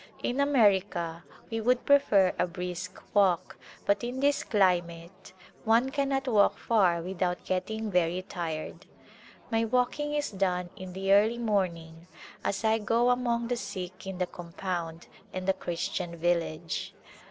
In America we would prefer a brisk walk but in this climate one cannot walk far without getting very tired. My walking is done in the early morning as I go among the sick in the compound and the Christian village.